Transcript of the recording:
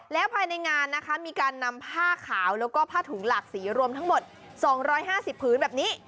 แล้วภายในงานนะคะมีการนำผ้าขาวแล้วก็ผ้าถุงหลากสีรวมทั้งหมด๒๕๐พื้นแบบนี้